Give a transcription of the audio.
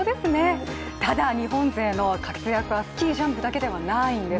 ただ日本勢の活躍はスキージャンプだけではないんです。